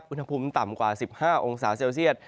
อุณหภูมิต่ำกว่า๑๕องศาเซลเซียต